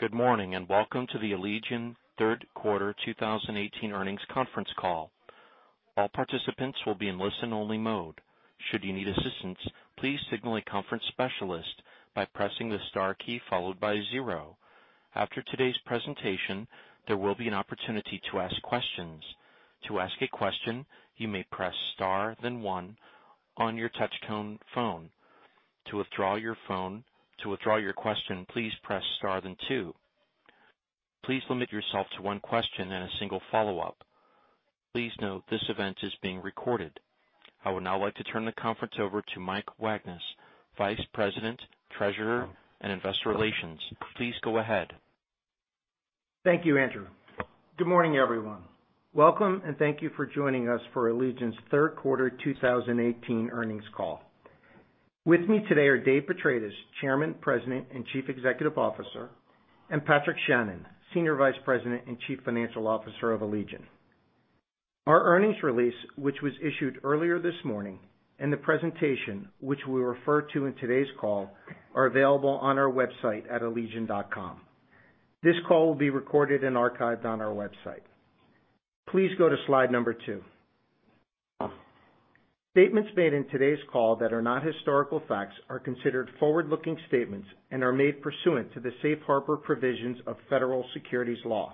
Good morning, welcome to the Allegion third quarter 2018 earnings conference call. All participants will be in listen-only mode. Should you need assistance, please signal a conference specialist by pressing the star key followed by zero. After today's presentation, there will be an opportunity to ask questions. To ask a question, you may press star then one on your touchtone phone. To withdraw your question, please press star then two. Please limit yourself to one question and a single follow-up. Please note this event is being recorded. I would now like to turn the conference over to Mike Wagnes, Vice President, Treasurer, and Investor Relations. Please go ahead. Thank you, Andrew. Good morning, everyone. Welcome, thank you for joining us for Allegion's third quarter 2018 earnings call. With me today are Dave Petratis, Chairman, President, and Chief Executive Officer, and Patrick Shannon, Senior Vice President and Chief Financial Officer of Allegion. Our earnings release, which was issued earlier this morning, and the presentation, which we refer to in today's call, are available on our website at allegion.com. This call will be recorded and archived on our website. Please go to slide number two. Statements made in today's call that are not historical facts are considered forward-looking statements and are made pursuant to the Safe Harbor provisions of federal securities laws.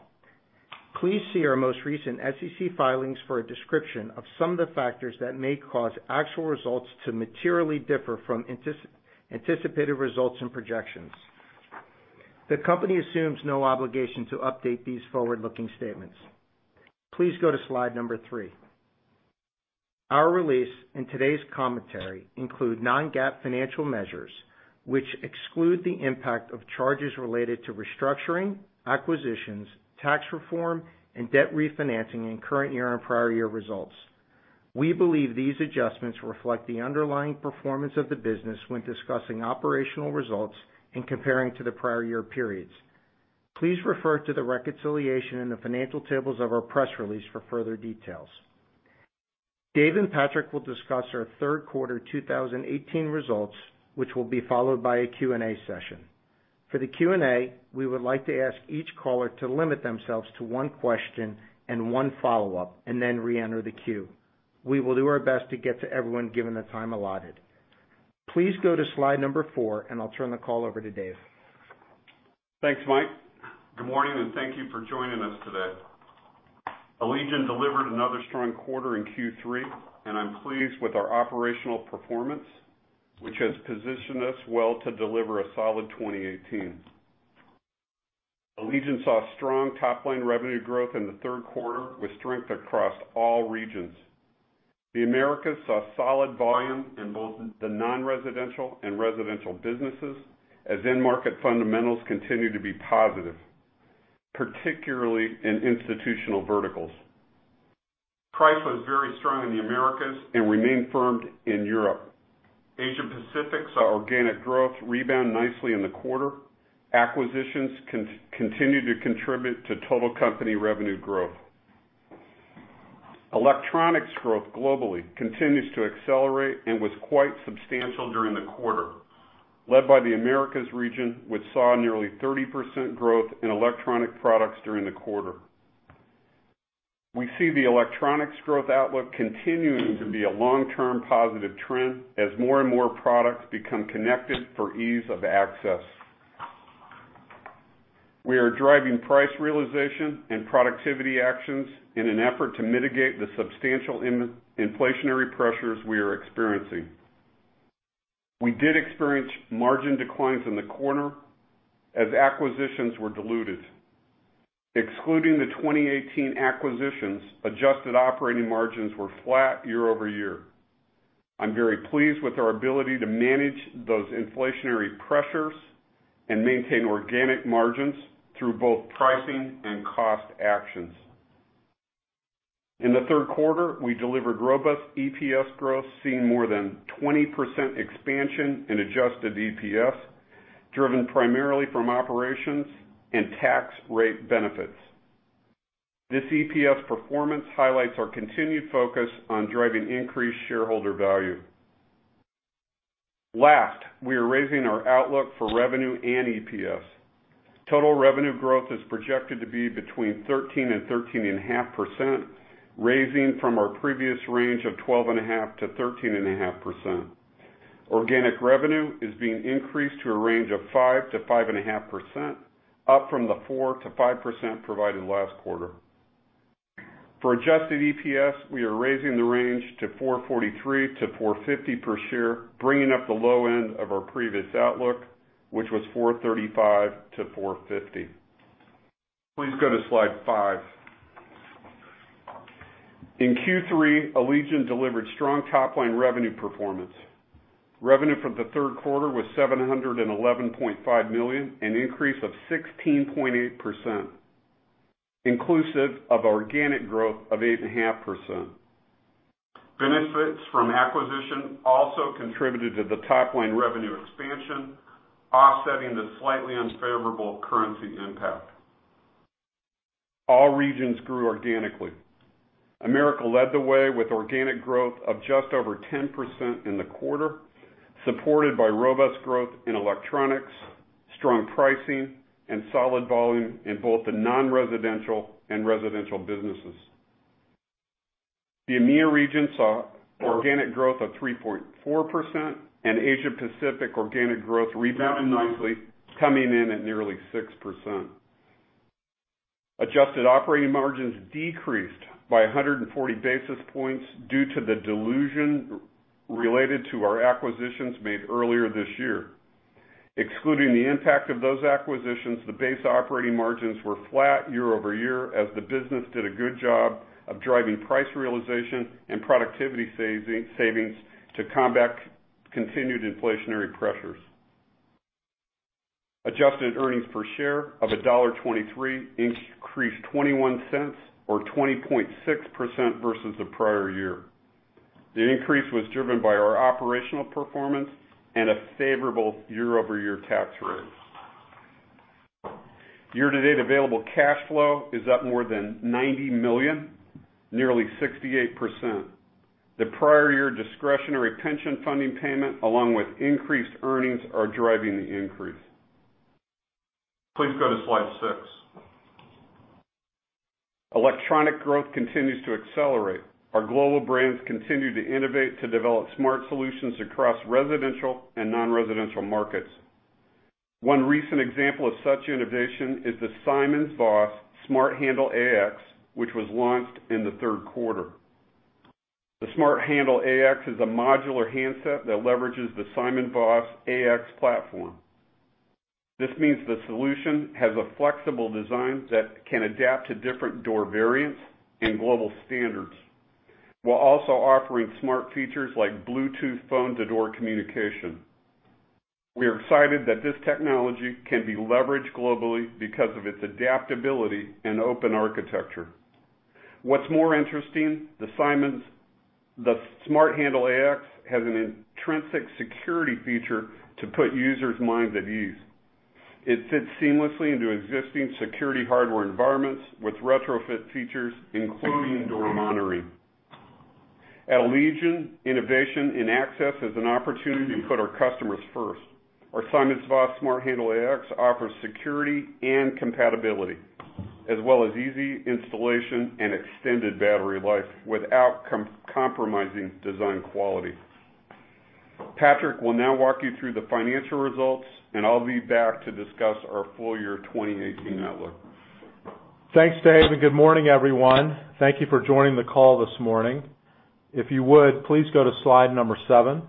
Please see our most recent SEC filings for a description of some of the factors that may cause actual results to materially differ from anticipated results and projections. The company assumes no obligation to update these forward-looking statements. Please go to slide number three. Our release and today's commentary include non-GAAP financial measures, which exclude the impact of charges related to restructuring, acquisitions, tax reform, and debt refinancing in current year and prior year results. We believe these adjustments reflect the underlying performance of the business when discussing operational results and comparing to the prior year periods. Please refer to the reconciliation in the financial tables of our press release for further details. Dave and Patrick will discuss our third quarter 2018 results, which will be followed by a Q&A session. For the Q&A, we would like to ask each caller to limit themselves to one question and one follow-up, and then reenter the queue. We will do our best to get to everyone given the time allotted. Please go to slide number four, I'll turn the call over to Dave. Thanks, Mike. Good morning, and thank you for joining us today. Allegion delivered another strong quarter in Q3, and I am pleased with our operational performance, which has positioned us well to deliver a solid 2018. Allegion saw strong top-line revenue growth in the third quarter, with strength across all regions. The Americas saw solid volume in both the non-residential and residential businesses, as end market fundamentals continue to be positive, particularly in institutional verticals. Price was very strong in the Americas and remained firm in Europe. Asia Pacific saw organic growth rebound nicely in the quarter. Acquisitions continued to contribute to total company revenue growth. Electronics growth globally continues to accelerate and was quite substantial during the quarter, led by the Americas region, which saw nearly 30% growth in electronic products during the quarter. We see the electronics growth outlook continuing to be a long-term positive trend as more and more products become connected for ease of access. We are driving price realization and productivity actions in an effort to mitigate the substantial inflationary pressures we are experiencing. We did experience margin declines in the quarter as acquisitions were diluted. Excluding the 2018 acquisitions, adjusted operating margins were flat year-over-year. I am very pleased with our ability to manage those inflationary pressures and maintain organic margins through both pricing and cost actions. In the third quarter, we delivered robust EPS growth, seeing more than 20% expansion in adjusted EPS, driven primarily from operations and tax rate benefits. This EPS performance highlights our continued focus on driving increased shareholder value. Last, we are raising our outlook for revenue and EPS. Total revenue growth is projected to be between 13% and 13.5%, raising from our previous range of 12.5% to 13.5%. Organic revenue is being increased to a range of 5% to 5.5%, up from the 4% to 5% provided last quarter. For adjusted EPS, we are raising the range to $4.43 to $4.50 per share, bringing up the low end of our previous outlook, which was $4.35 to $4.50. Please go to slide five. In Q3, Allegion delivered strong top-line revenue performance. Revenue for the third quarter was $711.5 million, an increase of 16.8%, inclusive of organic growth of 8.5%. Benefits from acquisition also contributed to the top-line revenue expansion, offsetting the slightly unfavorable currency impact. All regions grew organically. Americas led the way with organic growth of just over 10% in the quarter, supported by robust growth in electronics, strong pricing, and solid volume in both the non-residential and residential businesses. The EMEIA region saw organic growth of 3.4%. Asia Pacific organic growth rebounded nicely, coming in at nearly 6%. Adjusted operating margins decreased by 140 basis points due to the dilution related to our acquisitions made earlier this year. Excluding the impact of those acquisitions, the base operating margins were flat year-over-year as the business did a good job of driving price realization and productivity savings to combat continued inflationary pressures. Adjusted earnings per share of $1.23 increased $0.21 or 20.6% versus the prior year. The increase was driven by our operational performance and a favorable year-over-year tax rate. Year-to-date available cash flow is up more than $90 million, nearly 68%. The prior year discretionary pension funding payment, along with increased earnings are driving the increase. Please go to slide six. Electronic growth continues to accelerate. Our global brands continue to innovate to develop smart solutions across residential and non-residential markets. One recent example of such innovation is the SimonsVoss Smart Handle AX, which was launched in the third quarter. The Smart Handle AX is a modular handset that leverages the SimonsVoss AX platform. This means the solution has a flexible design that can adapt to different door variants and global standards, while also offering smart features like Bluetooth phone-to-door communication. We are excited that this technology can be leveraged globally because of its adaptability and open architecture. What's more interesting, the Smart Handle AX has an intrinsic security feature to put users' minds at ease. It fits seamlessly into existing security hardware environments with retrofit features, including door monitoring. At Allegion, innovation and access is an opportunity to put our customers first. Our SimonsVoss Smart Handle AX offers security and compatibility, as well as easy installation and extended battery life without compromising design quality. Patrick will now walk you through the financial results. I'll be back to discuss our full year 2018 outlook. Thanks, Dave, good morning, everyone. Thank you for joining the call this morning. If you would, please go to slide number seven.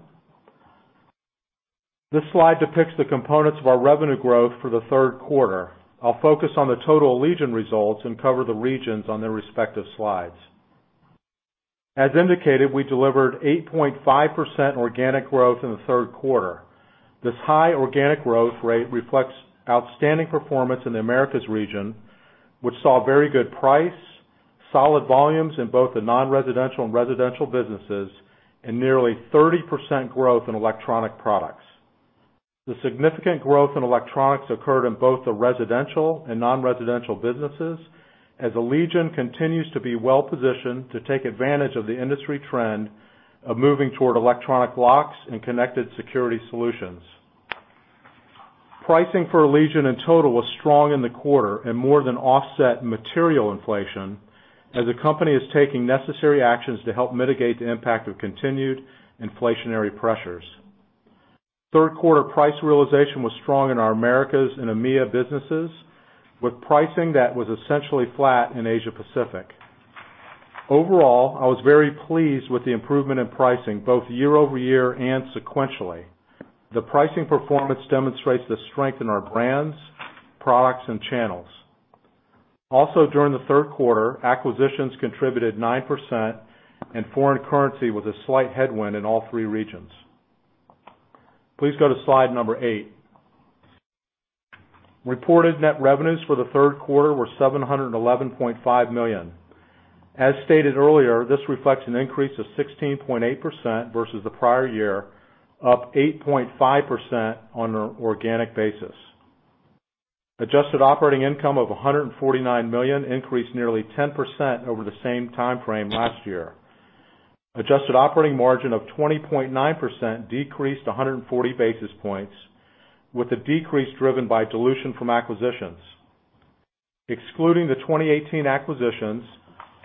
This slide depicts the components of our revenue growth for the third quarter. I'll focus on the total Allegion results and cover the regions on their respective slides. As indicated, we delivered 8.5% organic growth in the third quarter. This high organic growth rate reflects outstanding performance in the Americas region, which saw very good price, solid volumes in both the non-residential and residential businesses, and nearly 30% growth in electronic products. The significant growth in electronics occurred in both the residential and non-residential businesses, as Allegion continues to be well-positioned to take advantage of the industry trend of moving toward electronic locks and connected security solutions. Pricing for Allegion in total was strong in the quarter and more than offset material inflation as the company is taking necessary actions to help mitigate the impact of continued inflationary pressures. Third quarter price realization was strong in our Americas and EMEIA businesses with pricing that was essentially flat in Asia Pacific. Overall, I was very pleased with the improvement in pricing both year-over-year and sequentially. The pricing performance demonstrates the strength in our brands, products, and channels. During the third quarter, acquisitions contributed 9% and foreign currency was a slight headwind in all three regions. Please go to slide number eight. Reported net revenues for the third quarter were $711.5 million. As stated earlier, this reflects an increase of 16.8% versus the prior year, up 8.5% on an organic basis. Adjusted operating income of $149 million increased nearly 10% over the same time frame last year. Adjusted operating margin of 20.9% decreased 140 basis points, with the decrease driven by dilution from acquisitions. Excluding the 2018 acquisitions,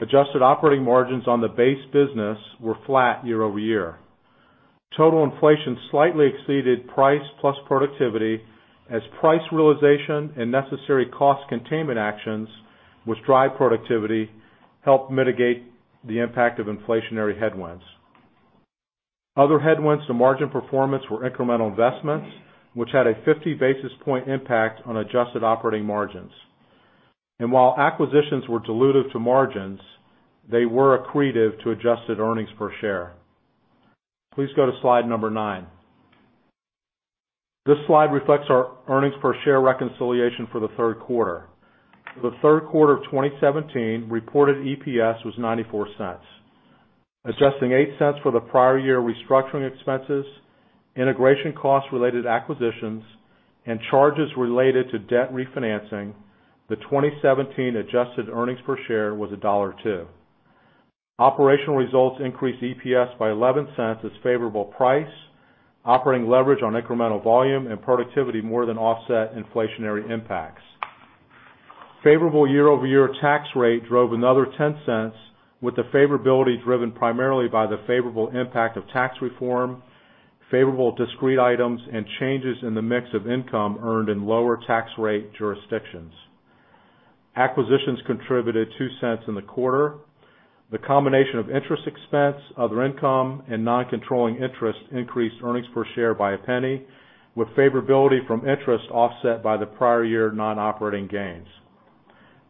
adjusted operating margins on the base business were flat year-over-year. Total inflation slightly exceeded price plus productivity as price realization and necessary cost containment actions, which drive productivity, helped mitigate the impact of inflationary headwinds. Other headwinds to margin performance were incremental investments, which had a 50 basis point impact on adjusted operating margins. While acquisitions were dilutive to margins, they were accretive to adjusted earnings per share. Please go to slide nine. This slide reflects our earnings per share reconciliation for the third quarter. For the third quarter of 2017, reported EPS was $0.94. Adjusting $0.08 for the prior year restructuring expenses, integration costs related acquisitions, and charges related to debt refinancing, the 2017 adjusted earnings per share was $1.02. Operational results increased EPS by $0.11 as favorable price, operating leverage on incremental volume, and productivity more than offset inflationary impacts. Favorable year-over-year tax rate drove another $0.10 with the favorability driven primarily by the favorable impact of tax reform, favorable discrete items, and changes in the mix of income earned in lower tax rate jurisdictions. Acquisitions contributed $0.02 in the quarter. The combination of interest expense, other income, and non-controlling interest increased earnings per share by $0.01, with favorability from interest offset by the prior year non-operating gains.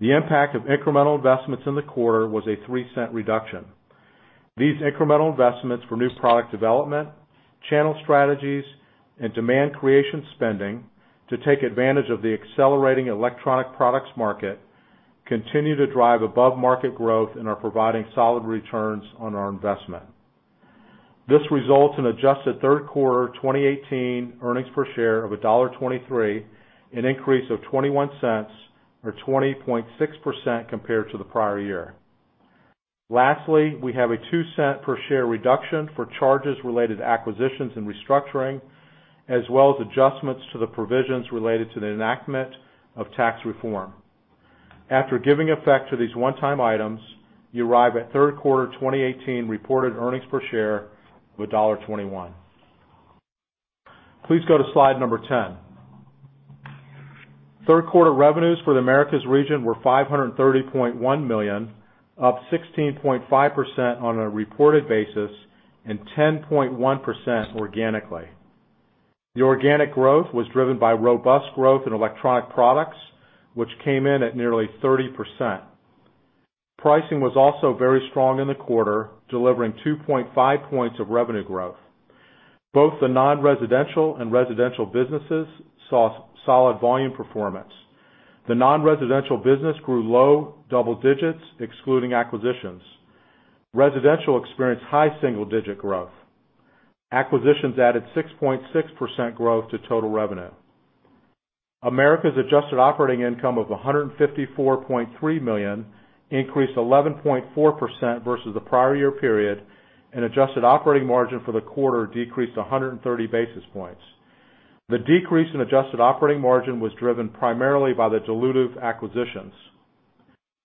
The impact of incremental investments in the quarter was a $0.03 reduction. These incremental investments for new product development, channel strategies, and demand creation spending to take advantage of the accelerating electronic products market continue to drive above-market growth and are providing solid returns on our investment. This results in adjusted third quarter 2018 earnings per share of $1.23, an increase of $0.21 or 20.6% compared to the prior year. Lastly, we have a $0.02 per share reduction for charges related to acquisitions and restructuring, as well as adjustments to the provisions related to the enactment of tax reform. After giving effect to these one-time items, you arrive at third quarter 2018 reported earnings per share of $1.21. Please go to slide 10. Third quarter revenues for the Americas region were $530.1 million, up 16.5% on a reported basis and 10.1% organically. The organic growth was driven by robust growth in electronic products, which came in at nearly 30%. Pricing was also very strong in the quarter, delivering 2.5 points of revenue growth. Both the non-residential and residential businesses saw solid volume performance. The non-residential business grew low double digits, excluding acquisitions. Residential experienced high single-digit growth. Acquisitions added 6.6% growth to total revenue. Americas adjusted operating income of $154.3 million increased 11.4% versus the prior year period, and adjusted operating margin for the quarter decreased 130 basis points. The decrease in adjusted operating margin was driven primarily by the dilutive acquisitions.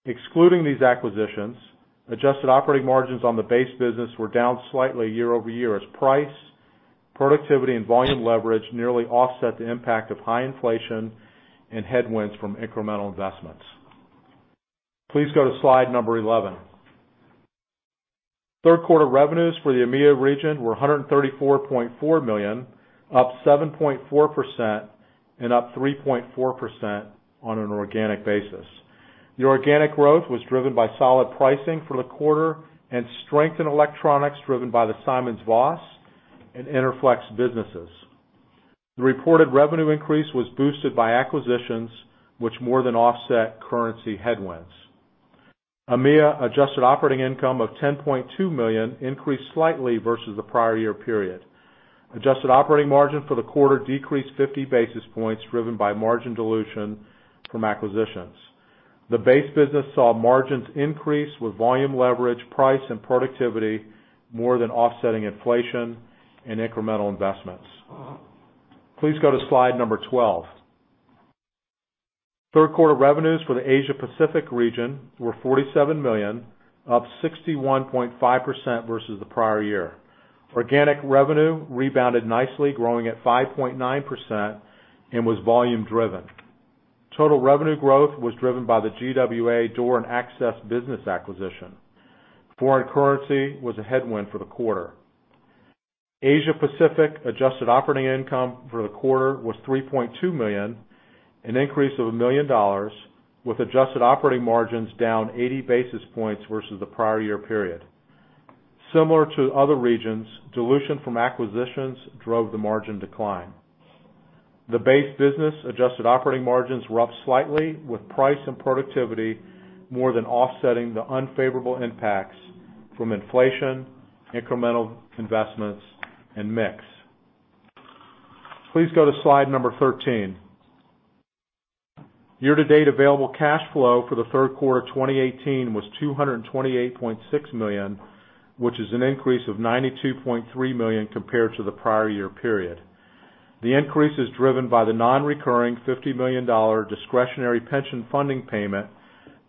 Excluding these acquisitions, adjusted operating margins on the base business were down slightly year-over-year as price, productivity, and volume leverage nearly offset the impact of high inflation and headwinds from incremental investments. Please go to slide 11. Third quarter revenues for the EMEIA region were $134.4 million, up 7.4% and up 3.4% on an organic basis. The organic growth was driven by solid pricing for the quarter and strength in electronics, driven by the SimonsVoss and Interflex businesses. The reported revenue increase was boosted by acquisitions, which more than offset currency headwinds. EMEIA adjusted operating income of $10.2 million increased slightly versus the prior year period. Adjusted operating margin for the quarter decreased 50 basis points, driven by margin dilution from acquisitions. The base business saw margins increase with volume leverage, price, and productivity more than offsetting inflation and incremental investments. Please go to slide number 12. Third quarter revenues for the Asia Pacific region were $47 million, up 61.5% versus the prior year. Organic revenue rebounded nicely, growing at 5.9% and was volume-driven. Total revenue growth was driven by the GWA Door and Access business acquisition. Foreign currency was a headwind for the quarter. Asia Pacific adjusted operating income for the quarter was $3.2 million, an increase of a million dollars, with adjusted operating margins down 80 basis points versus the prior year period. Similar to other regions, dilution from acquisitions drove the margin decline. The base business adjusted operating margins were up slightly, with price and productivity more than offsetting the unfavorable impacts from inflation, incremental investments, and mix. Please go to slide number 13. Year-to-date available cash flow for the third quarter 2018 was $228.6 million, which is an increase of $92.3 million compared to the prior year period. The increase is driven by the non-recurring $50 million discretionary pension funding payment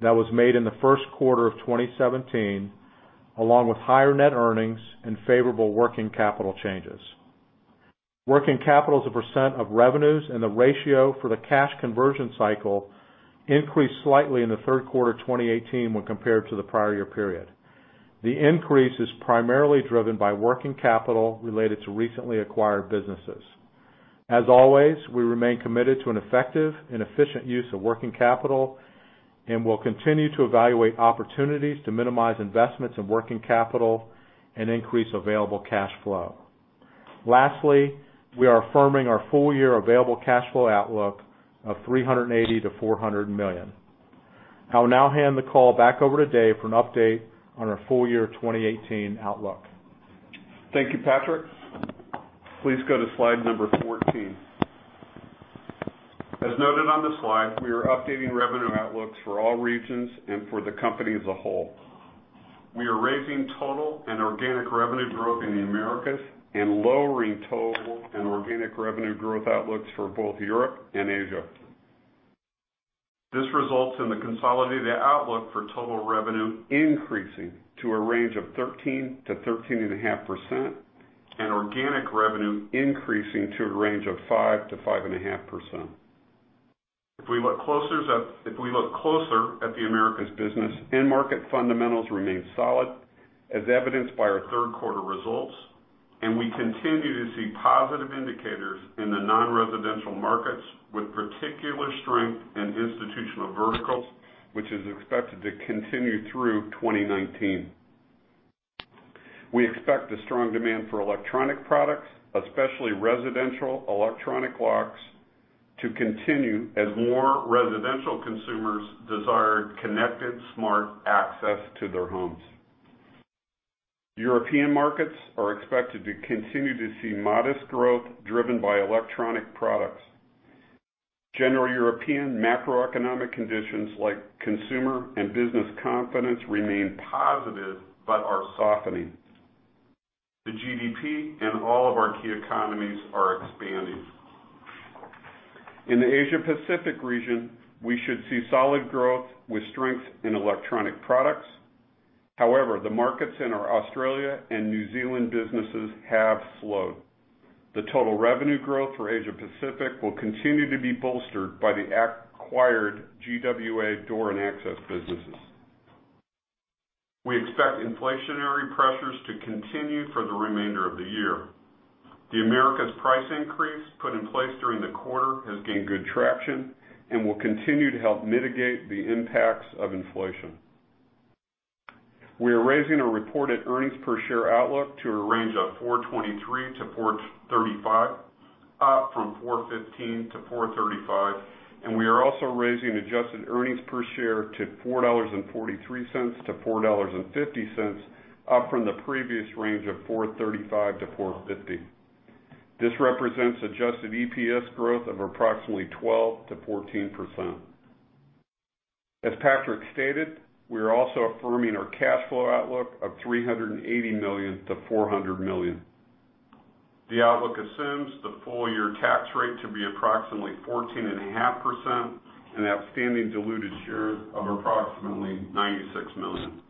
that was made in the first quarter of 2017, along with higher net earnings and favorable working capital changes. Working capital as a % of revenues and the ratio for the cash conversion cycle increased slightly in the third quarter 2018 when compared to the prior year period. The increase is primarily driven by working capital related to recently acquired businesses. As always, we remain committed to an effective and efficient use of working capital and will continue to evaluate opportunities to minimize investments in working capital and increase available cash flow. Lastly, we are affirming our full-year available cash flow outlook of $380 million-$400 million. I will now hand the call back over to Dave for an update on our full-year 2018 outlook. Thank you, Patrick. Please go to slide number 14. As noted on the slide, we are updating revenue outlooks for all regions and for the company as a whole. We are raising total and organic revenue growth in the Americas and lowering total and organic revenue growth outlooks for both Europe and Asia. This results in the consolidated outlook for total revenue increasing to a range of 13%-13.5%, and organic revenue increasing to a range of 5%-5.5%. If we look closer at the Americas business, end market fundamentals remain solid, as evidenced by our third quarter results, and we continue to see positive indicators in the non-residential markets with particular strength in institutional verticals, which is expected to continue through 2019. We expect the strong demand for electronic products, especially residential electronic locks, to continue as more residential consumers desire connected smart access to their homes. European markets are expected to continue to see modest growth driven by electronic products. General European macroeconomic conditions like consumer and business confidence remain positive but are softening. The GDP in all of our key economies are expanding. In the Asia-Pacific region, we should see solid growth with strength in electronic products. However, the markets in our Australia and New Zealand businesses have slowed. The total revenue growth for Asia-Pacific will continue to be bolstered by the acquired GWA Door and Access businesses. We expect inflationary pressures to continue for the remainder of the year. The Americas price increase put in place during the quarter has gained good traction and will continue to help mitigate the impacts of inflation. We are raising our reported earnings per share outlook to a range of $4.23-$4.35, up from $4.15-$4.35, and we are also raising adjusted earnings per share to $4.43-$4.50, up from the previous range of $4.35-$4.50. This represents adjusted EPS growth of approximately 12%-14%. As Patrick stated, we are also affirming our cash flow outlook of $380 million-$400 million. The outlook assumes the full-year tax rate to be approximately 14.5% and outstanding diluted shares of approximately 96 million.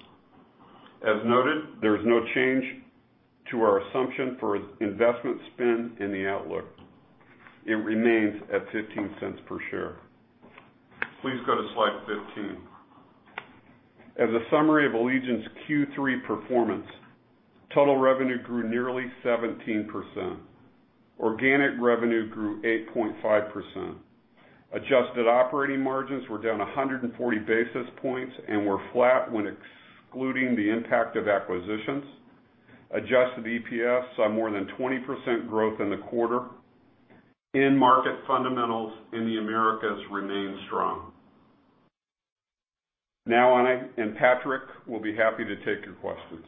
As noted, there is no change to our assumption for investment spend in the outlook. It remains at $0.15 per share. Please go to slide 15. As a summary of Allegion's Q3 performance, total revenue grew nearly 17%. Organic revenue grew 8.5%. Adjusted operating margins were down 140 basis points and were flat when excluding the impact of acquisitions. Adjusted EPS saw more than 20% growth in the quarter. End market fundamentals in the Americas remain strong. Now, I and Patrick will be happy to take your questions.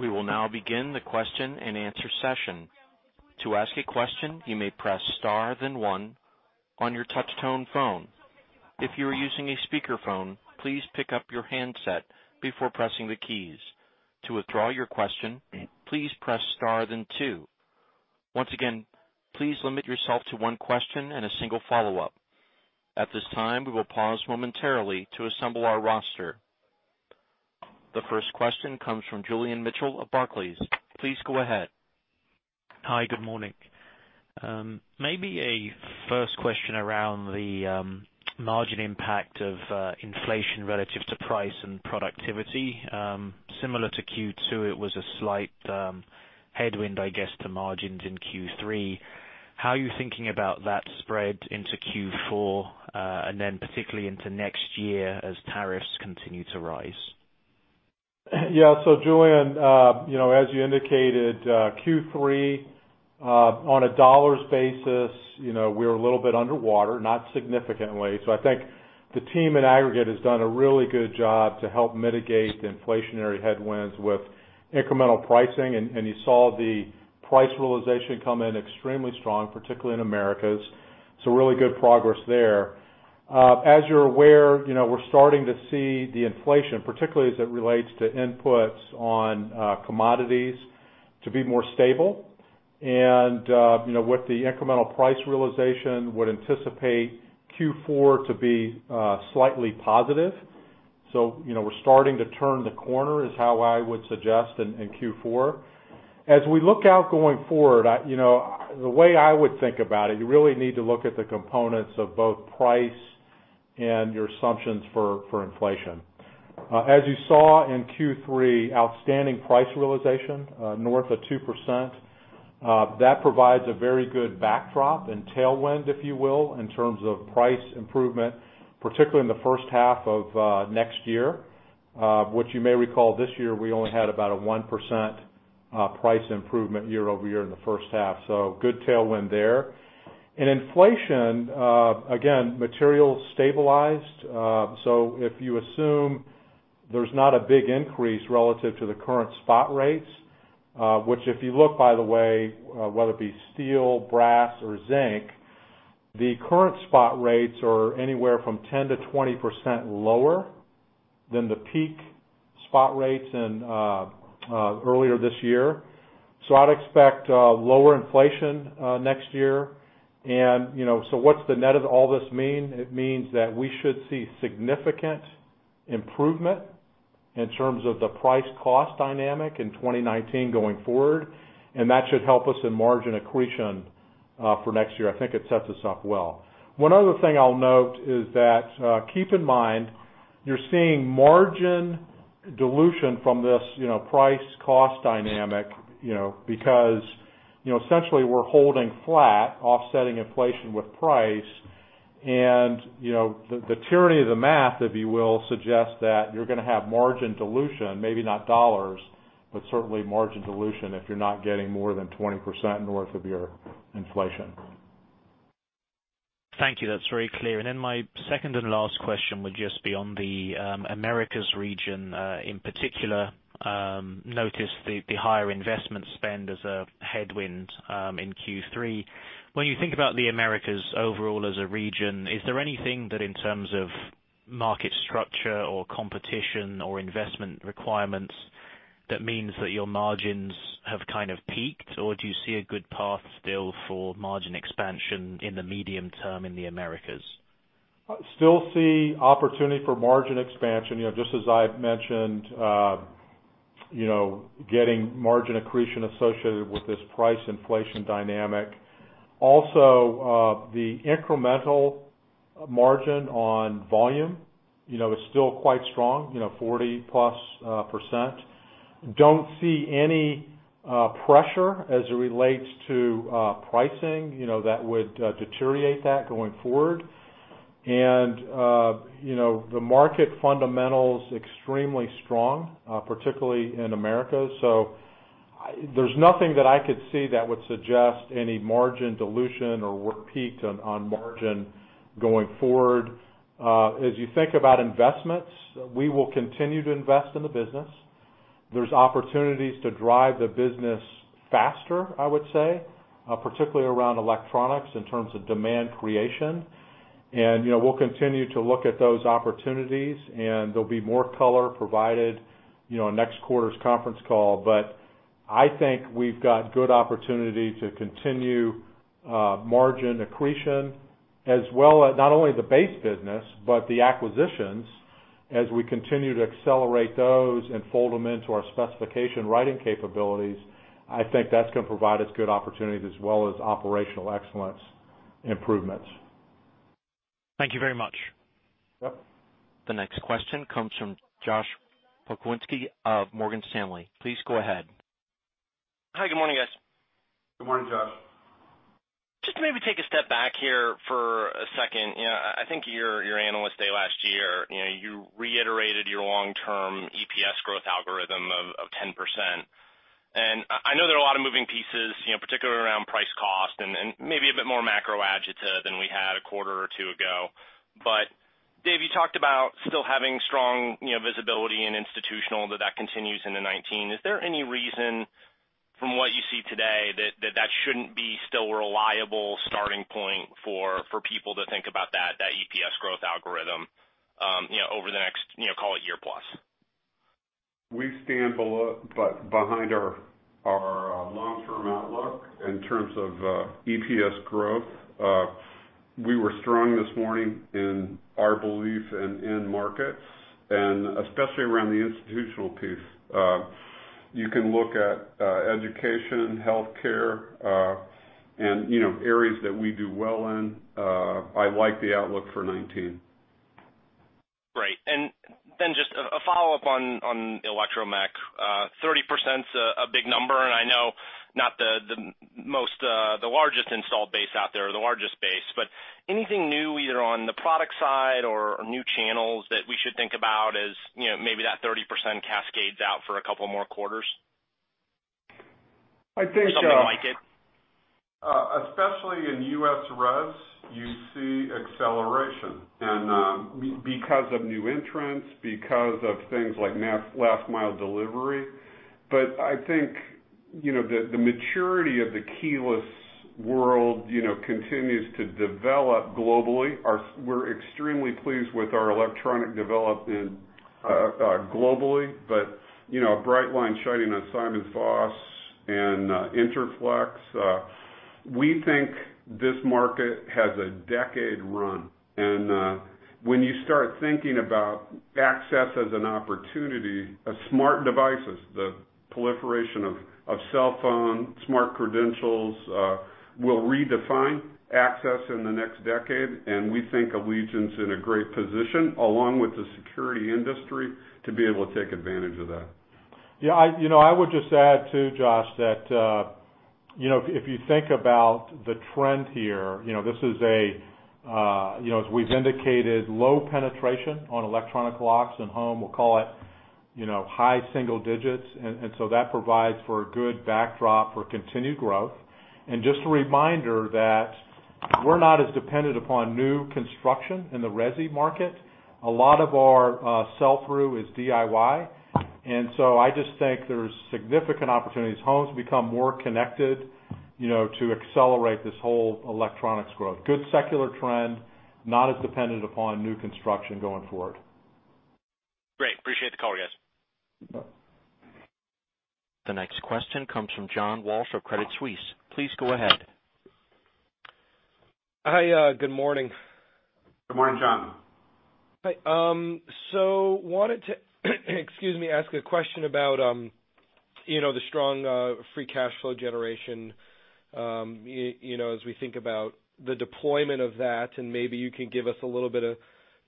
We will now begin the question and answer session. To ask a question, you may press star then one on your touch tone phone. If you are using a speakerphone, please pick up your handset before pressing the keys. To withdraw your question, please press star then two. Once again, please limit yourself to one question and a single follow-up. At this time, we will pause momentarily to assemble our roster. The first question comes from Julian Mitchell of Barclays. Please go ahead. Hi. Good morning. Maybe a first question around the margin impact of inflation relative to price and productivity. Similar to Q2, it was a slight headwind, I guess, to margins in Q3. How are you thinking about that spread into Q4, and then particularly into next year as tariffs continue to rise? Yeah. Julian, as you indicated Q3, on a dollars basis, we were a little bit underwater, not significantly. I think the team in aggregate has done a really good job to help mitigate the inflationary headwinds with incremental pricing, and you saw the price realization come in extremely strong, particularly in Americas. Really good progress there. As you're aware, we're starting to see the inflation, particularly as it relates to inputs on commodities, to be more stable. With the incremental price realization, would anticipate Q4 to be slightly positive. We're starting to turn the corner is how I would suggest in Q4. As we look out going forward, the way I would think about it, you really need to look at the components of both price and your assumptions for inflation. As you saw in Q3, outstanding price realization, north of 2%. That provides a very good backdrop and tailwind, if you will, in terms of price improvement, particularly in the first half of next year. Which you may recall this year, we only had about a 1% price improvement year-over-year in the first half. Good tailwind there. In inflation, again, materials stabilized. If you assume there's not a big increase relative to the current spot rates, which if you look, by the way, whether it be steel, brass, or zinc, the current spot rates are anywhere from 10%-20% lower than the peak spot rates in earlier this year. I'd expect lower inflation next year. What's the net of all this mean? It means that we should see significant improvement in terms of the price-cost dynamic in 2019 going forward, and that should help us in margin accretion for next year. I think it sets us up well. One other thing I'll note is that, keep in mind, you're seeing margin dilution from this price-cost dynamic, because essentially we're holding flat, offsetting inflation with price. The tyranny of the math, if you will, suggests that you're going to have margin dilution, maybe not dollars, but certainly margin dilution if you're not getting more than 20% north of your inflation. Thank you. That's very clear. My second and last question would just be on the Americas region. In particular, noticed the higher investment spend as a headwind in Q3. When you think about the Americas overall as a region, is there anything that in terms of market structure or competition or investment requirements that means that your margins have kind of peaked, or do you see a good path still for margin expansion in the medium term in the Americas? Still see opportunity for margin expansion, just as I've mentioned getting margin accretion associated with this price inflation dynamic. Also, the incremental margin on volume is still quite strong, 40-plus %. Don't see any pressure as it relates to pricing that would deteriorate that going forward. The market fundamental's extremely strong, particularly in Americas. There's nothing that I could see that would suggest any margin dilution or we're peaked on margin going forward. As you think about investments, we will continue to invest in the business. There's opportunities to drive the business faster, I would say, particularly around electronics in terms of demand creation. We'll continue to look at those opportunities, and there'll be more color provided next quarter's conference call. I think we've got good opportunity to continue margin accretion as well as not only the base business, but the acquisitions as we continue to accelerate those and fold them into our specification writing capabilities. I think that's going to provide us good opportunities as well as operational excellence improvements. Thank you very much. Yep. The next question comes from Josh Pokrzywinski of Morgan Stanley. Please go ahead. Hi, good morning, guys. Good morning, Josh. Just to maybe take a step back here for a second. I think your Analyst Day last year, you reiterated your long-term EPS growth algorithm of 10%. I know there are a lot of moving pieces, particularly around price cost and maybe a bit more macro agita than we had a quarter or two ago. Dave, you talked about still having strong visibility in institutional, that that continues into 2019. Is there any reason from what you see today that that shouldn't be still reliable starting point for people to think about that EPS growth algorithm over the next, call it year plus? We stand behind our long-term outlook in terms of EPS growth. We were strong this morning in our belief in end markets, especially around the institutional piece. You can look at education, healthcare, and areas that we do well in. I like the outlook for 2019. Great. Then just a follow-up on electromechanical. 30%'s a big number, and I know not the largest install base out there or the largest base, but anything new either on the product side or new channels that we should think about as maybe that 30% cascades out for a couple more quarters? I think. Something like it. especially in U.S. res, you see acceleration because of new entrants, because of things like last mile delivery. I think the maturity of the keyless world continues to develop globally. We're extremely pleased with our electronic development globally. A bright line shining on SimonsVoss and Interflex. We think this market has a decade run. When you start thinking about access as an opportunity, as smart devices, the proliferation of cellphone, smart credentials, will redefine access in the next decade, and we think Allegion's in a great position along with the security industry to be able to take advantage of that. Yeah. I would just add, too, Josh, that If you think about the trend here, this is a, as we've indicated, low penetration on electronic locks in home, we'll call it high single digits. That provides for a good backdrop for continued growth. Just a reminder that we're not as dependent upon new construction in the resi market. A lot of our sell-through is DIY. I just think there's significant opportunities. Homes become more connected to accelerate this whole electronics growth. Good secular trend, not as dependent upon new construction going forward. Great. Appreciate the call, guys. The next question comes from John Walsh of Credit Suisse. Please go ahead. Hi, good morning. Good morning, John. Hi. Wanted to, excuse me, ask a question about the strong free cash flow generation, as we think about the deployment of that, and maybe you can give us a little bit of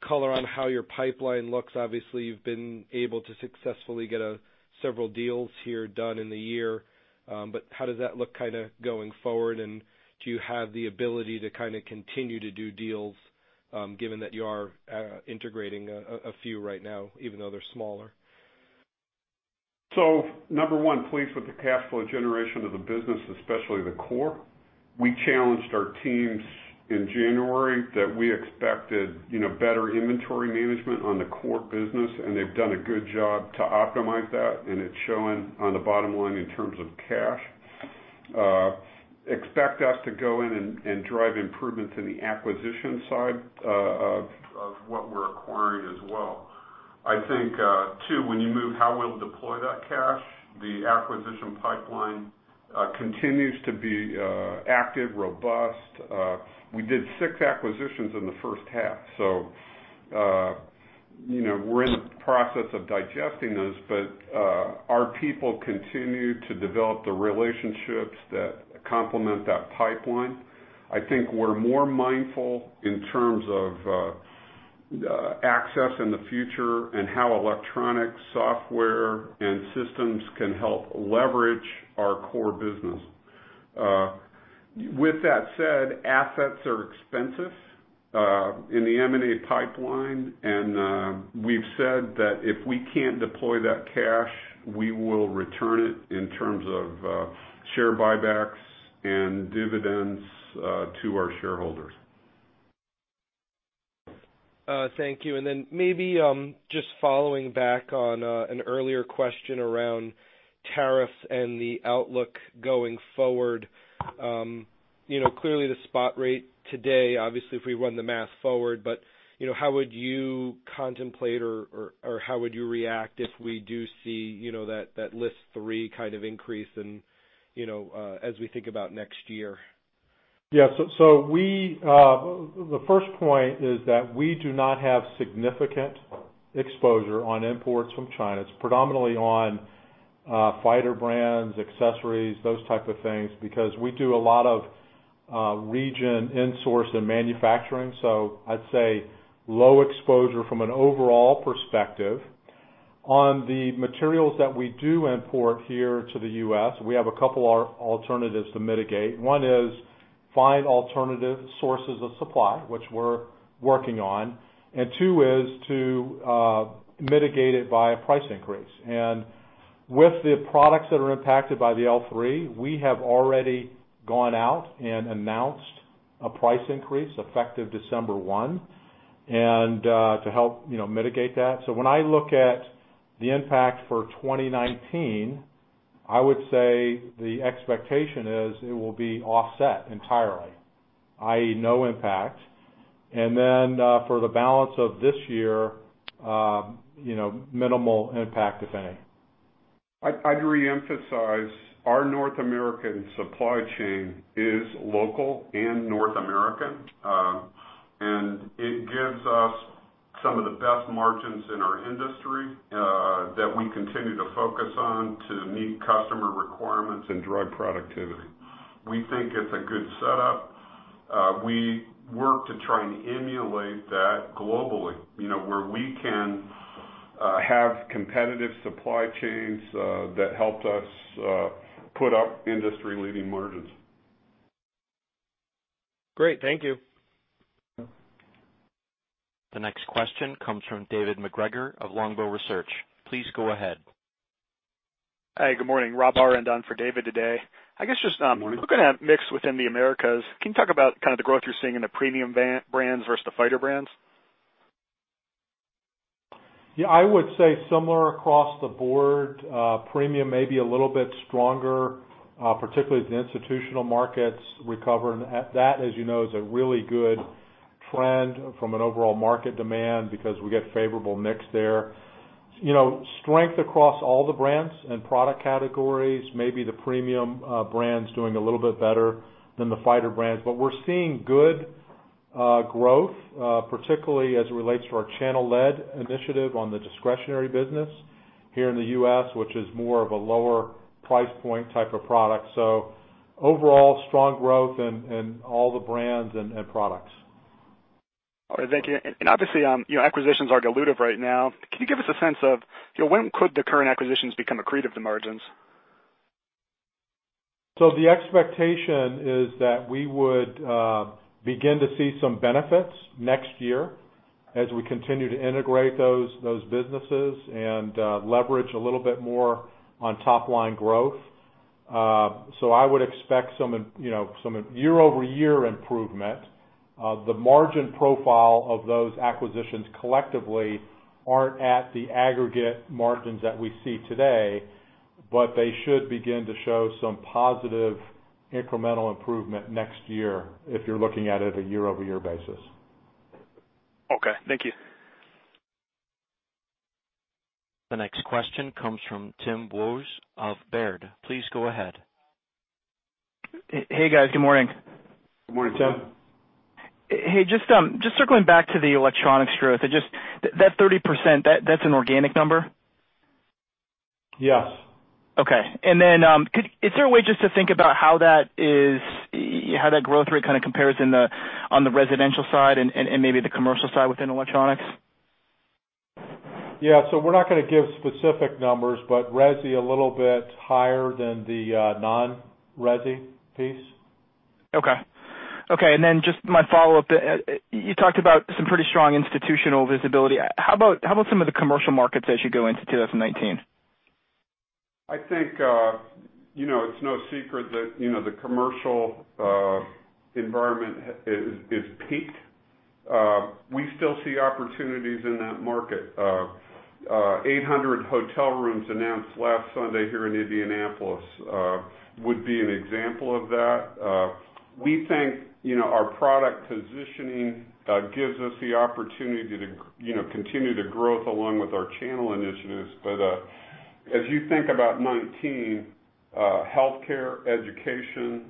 color on how your pipeline looks. Obviously, you've been able to successfully get several deals here done in the year. How does that look going forward, and do you have the ability to continue to do deals, given that you are integrating a few right now, even though they're smaller? Number one, pleased with the cash flow generation of the business, especially the core. We challenged our teams in January that we expected better inventory management on the core business, and they've done a good job to optimize that, and it's showing on the bottom line in terms of cash. Expect us to go in and drive improvements in the acquisition side of what we're acquiring as well. I think, two, when you move how we'll deploy that cash, the acquisition pipeline continues to be active, robust. We did six acquisitions in the first half. We're in the process of digesting those, but our people continue to develop the relationships that complement that pipeline. I think we're more mindful in terms of access in the future and how electronic software and systems can help leverage our core business. With that said, assets are expensive in the M&A pipeline, and we've said that if we can't deploy that cash, we will return it in terms of share buybacks and dividends to our shareholders. Thank you. Then maybe just following back on an earlier question around tariffs and the outlook going forward. Clearly, the spot rate today, obviously if we run the math forward, how would you contemplate or how would you react if we do see that List 3 increase as we think about next year? The first point is that we do not have significant exposure on imports from China. It's predominantly on fighter brands, accessories, those type of things, because we do a lot of region insource and manufacturing. I'd say low exposure from an overall perspective. On the materials that we do import here to the U.S., we have a couple alternatives to mitigate. One is find alternative sources of supply, which we're working on. Two is to mitigate it by a price increase. With the products that are impacted by the L3, we have already gone out and announced a price increase effective December 1 to help mitigate that. When I look at the impact for 2019, I would say the expectation is it will be offset entirely, i.e., no impact. For the balance of this year, minimal impact, if any. I'd reemphasize, our North American supply chain is local and North American, and it gives us some of the best margins in our industry, that we continue to focus on to meet customer requirements and drive productivity. We think it's a good setup. We work to try and emulate that globally, where we can have competitive supply chains that helped us put up industry-leading margins. Great. Thank you. The next question comes from David MacGregor of Longbow Research. Please go ahead. Hi, good morning. Rob Arend on for David today. Morning Looking at mix within the Americas, can you talk about the growth you're seeing in the premium brands versus the fighter brands? Yeah, I would say similar across the board. Premium may be a little bit stronger, particularly as the institutional markets recover. That, as you know, is a really good trend from an overall market demand because we get favorable mix there. Strength across all the brands and product categories, maybe the premium brands doing a little bit better than the fighter brands. We're seeing good growth, particularly as it relates to our channel-led initiative on the discretionary business here in the U.S., which is more of a lower price point type of product. Overall, strong growth in all the brands and products. All right. Thank you. Obviously, acquisitions are dilutive right now. Can you give us a sense of when could the current acquisitions become accretive to margins? The expectation is that we would begin to see some benefits next year as we continue to integrate those businesses and leverage a little bit more on top-line growth. I would expect some year-over-year improvement. The margin profile of those acquisitions collectively aren't at the aggregate margins that we see today, but they should begin to show some positive incremental improvement next year, if you're looking at it a year-over-year basis. Okay. Thank you. The next question comes from Timothy Wojs of Baird. Please go ahead. Hey, guys. Good morning. Good morning, Tim. Hey, just circling back to the electronics growth. That 30%, that's an organic number? Yes. Okay. Is there a way just to think about how that growth rate kind of compares on the residential side and maybe the commercial side within electronics? Yeah. We're not going to give specific numbers, but resi a little bit higher than the non-resi piece. Okay. Just my follow-up. You talked about some pretty strong institutional visibility. How about some of the commercial markets as you go into 2019? I think, it's no secret that the commercial environment is peaked. We still see opportunities in that market. 800 hotel rooms announced last Sunday here in Indianapolis would be an example of that. We think our product positioning gives us the opportunity to continue to grow along with our channel initiatives. As you think about 2019, healthcare, education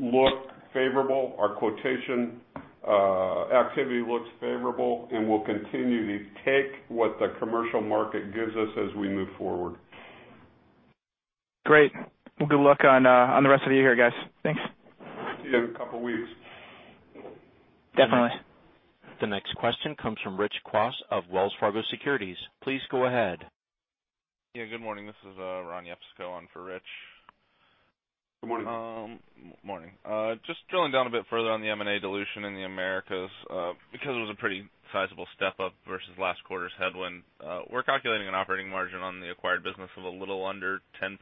look favorable. Our quotation activity looks favorable, and we'll continue to take what the commercial market gives us as we move forward. Great. Well, good luck on the rest of your year, guys. Thanks. See you in a couple of weeks. Definitely. The next question comes from Rich Kwas of Wells Fargo Securities. Please go ahead. Yeah, good morning. This is Ron Yepsico on for Rich. Good morning. Morning. Just drilling down a bit further on the M&A dilution in the Americas. It was a pretty sizable step up versus last quarter's headwind. We're calculating an operating margin on the acquired business of a little under 10%.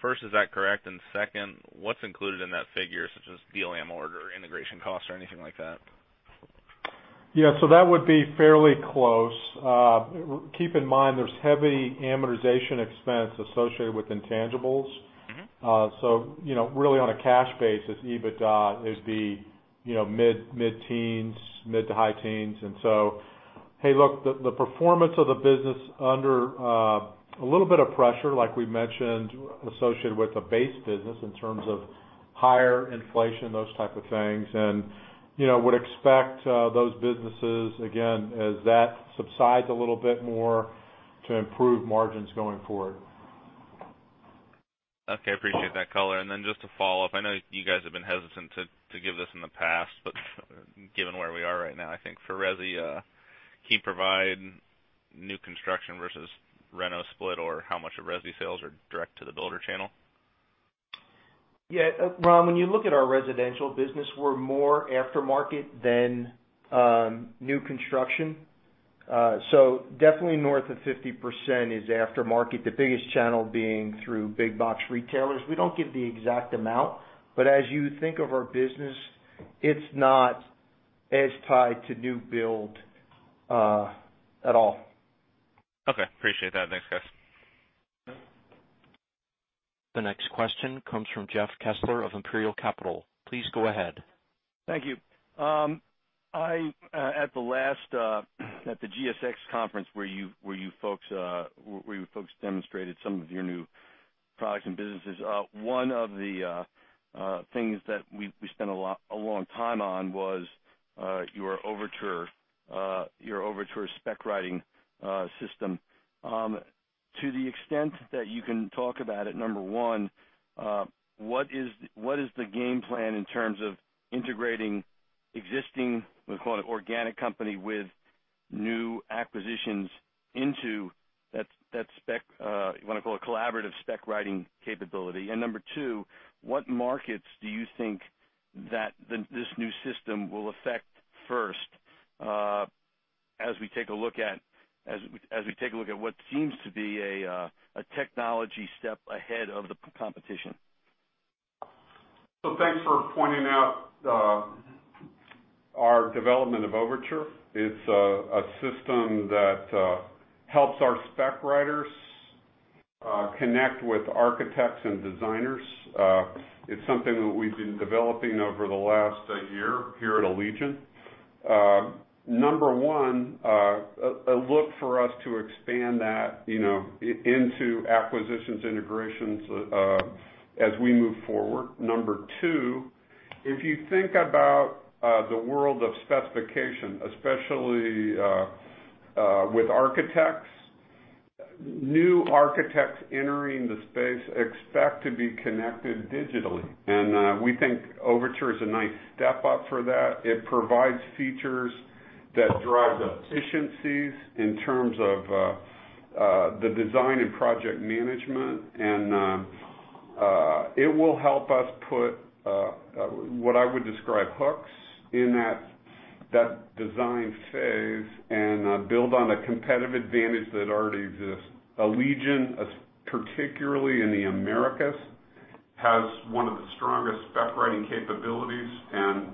First, is that correct? Second, what's included in that figure, such as deal amortization or integration cost or anything like that? Yeah, that would be fairly close. Keep in mind, there's heavy amortization expense associated with intangibles. Really on a cash basis, EBITDA is the mid-teens, mid-to-high teens. Hey, look, the performance of the business under a little bit of pressure, like we mentioned, associated with the base business in terms of higher inflation, those type of things. Would expect those businesses, again, as that subsides a little bit more, to improve margins going forward. Okay, appreciate that color. Just to follow up, I know you guys have been hesitant to give this in the past, but given where we are right now, I think for resi, can you provide new construction versus reno split, or how much of resi sales are direct to the builder channel? Yeah. Ron, when you look at our residential business, we are more aftermarket than new construction. Definitely north of 50% is aftermarket, the biggest channel being through big box retailers. We do not give the exact amount, but as you think of our business, it is not as tied to new build at all. Okay. Appreciate that. Thanks, guys. The next question comes from Jeff Kessler of Imperial Capital. Please go ahead. Thank you. At the GSX conference where you folks demonstrated some of your new products and businesses, one of the things that we spent a long time on was your Overtur spec writing system. To the extent that you can talk about it, number one, what is the game plan in terms of integrating existing, we'll call it organic company, with new acquisitions into that spec you want to call it collaborative spec writing capability? Number two, what markets do you think that this new system will affect first, as we take a look at what seems to be a technology step ahead of the competition? Thanks for pointing out our development of Overtur. It's a system that helps our spec writers connect with architects and designers. It's something that we've been developing over the last year here at Allegion. Number one, a look for us to expand that into acquisitions, integrations as we move forward. Number two, if you think about the world of specification, especially with New architects entering the space expect to be connected digitally, and we think Overtur is a nice step up for that. It provides features that drive efficiencies in terms of the design and project management. It will help us put what I would describe hooks in that design phase and build on a competitive advantage that already exists. Allegion, particularly in the Americas, has one of the strongest spec writing capabilities and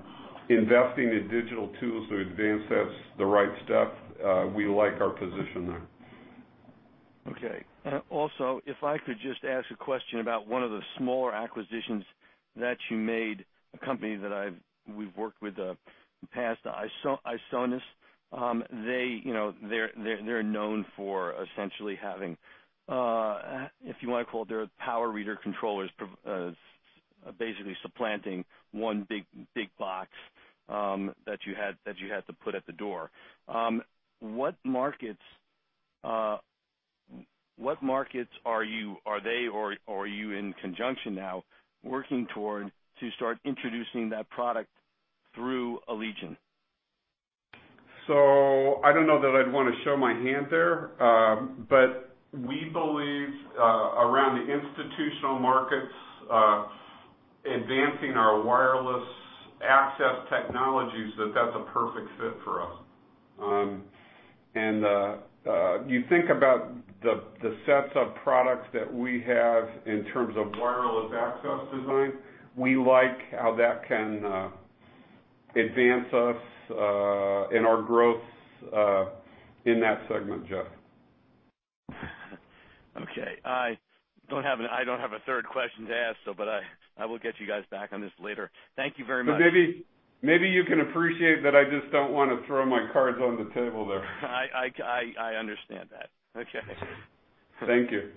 investing in digital tools to advance that's the right step. We like our position there. Okay. Also, if I could just ask a question about one of the smaller acquisitions that you made, a company that we've worked with in the past, ISONAS. They're known for essentially having, if you want to call it, their power reader controllers, basically supplanting one big box that you had to put at the door. What markets are they, or are you in conjunction now working toward to start introducing that product through Allegion? I don't know that I'd want to show my hand there. We believe, around the institutional markets, advancing our wireless access technologies, that that's a perfect fit for us. You think about the sets of products that we have in terms of wireless access design. We like how that can advance us in our growth in that segment, Jeff. Okay. I don't have a third question to ask, but I will get you guys back on this later. Thank you very much. Maybe you can appreciate that I just don't want to throw my cards on the table there. I understand that. Okay. Thank you.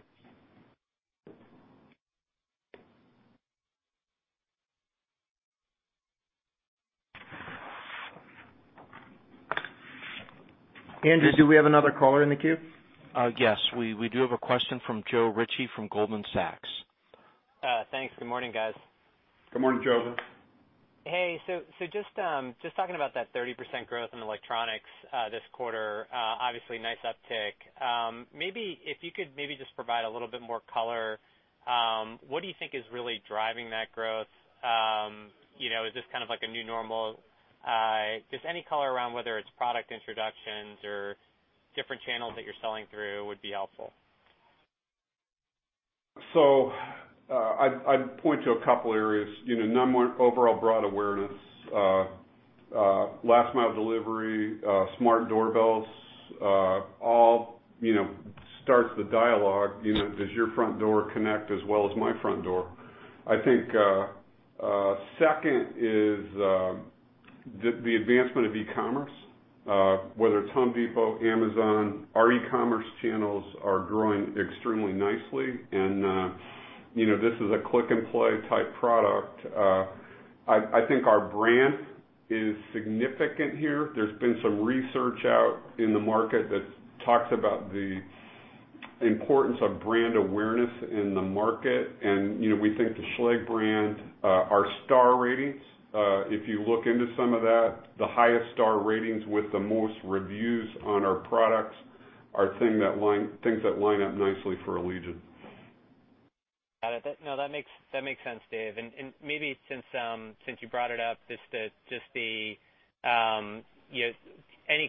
Andrew, do we have another caller in the queue? Yes. We do have a question from Joe Ritchie from Goldman Sachs. Thanks. Good morning, guys. Good morning, Joe. Hey. Just talking about that 30% growth in electronics this quarter, obviously nice uptick. Maybe if you could just provide a little bit more color, what do you think is really driving that growth? Is this kind of like a new normal? Just any color around whether it's product introductions or different channels that you're selling through would be helpful. I'd point to a couple areas. Number one, overall broad awareness. Last mile delivery, smart doorbells, all starts the dialogue. Does your front door connect as well as my front door? I think second is the advancement of e-commerce, whether it's The Home Depot, Amazon, our e-commerce channels are growing extremely nicely and this is a click and play type product. I think our brand is significant here. There's been some research out in the market that talks about the importance of brand awareness in the market, and we think the Schlage brand, our star ratings, if you look into some of that, the highest star ratings with the most reviews on our products are things that line up nicely for Allegion. Got it. No, that makes sense, Dave. Maybe since you brought it up, just any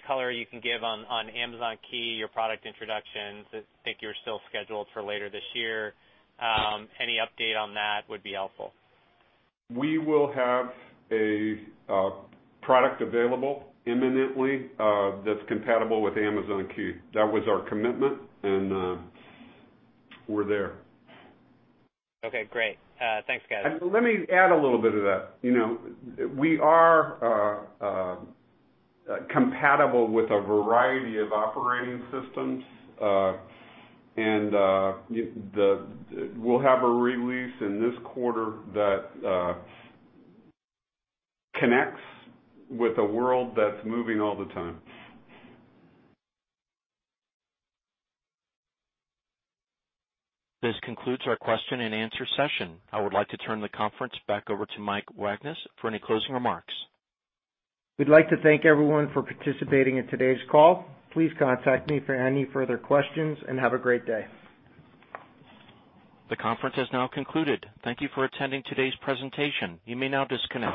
color you can give on Amazon Key, your product introductions. I think you're still scheduled for later this year. Any update on that would be helpful. We will have a product available imminently that's compatible with Amazon Key. That was our commitment, we're there. Okay, great. Thanks, guys. Let me add a little bit to that. We are compatible with a variety of operating systems. We'll have a release in this quarter that connects with a world that's moving all the time. This concludes our question and answer session. I would like to turn the conference back over to Mike Wagnes for any closing remarks. We'd like to thank everyone for participating in today's call. Please contact me for any further questions, and have a great day. The conference has now concluded. Thank you for attending today's presentation. You may now disconnect.